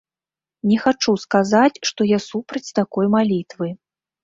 Не хачу сказаць, што я супраць такой малітвы.